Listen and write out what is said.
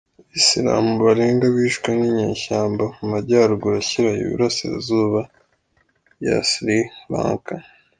Abasilamu barenga bishwe n’inyeshyamba mu Majyaruguru ashyira Iburasirazuba ya Sri Lanka.